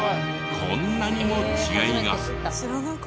こんなにも違いが！